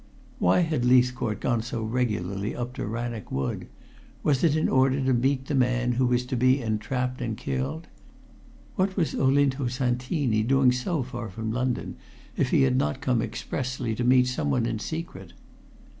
Why had Leithcourt gone so regularly up to Rannoch Wood? Was it in order to meet the man who was to be entrapped and killed? What was Olinto Santini doing so far from London, if he had not come expressly to meet someone in secret?